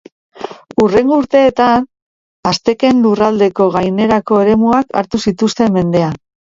Hurrengo urteetan, azteken lurraldeko gainerako eremuak hartu zituzten mendean.